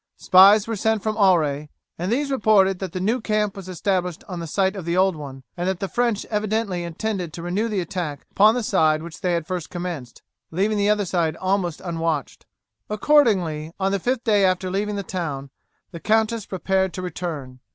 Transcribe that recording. Spies were sent from Auray, and these reported that the new camp was established on the site of the old one, and that the French evidently intended to renew the attack upon the side on which they had first commenced, leaving the other side almost unwatched. Accordingly, on the fifth day after leaving the town, the countess prepared to return.